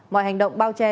mọi hành động bao che